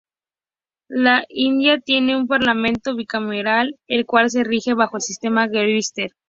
La India tiene un parlamento bicameral, el cual se rige bajo el sistema Westminster.